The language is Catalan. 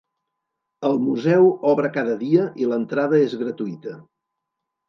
El museu obre cada dia i l'entrada és gratuïta.